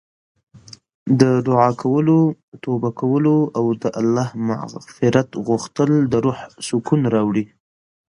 د دعا کولو، توبه کولو او د الله مغفرت غوښتل د روح سکون راوړي.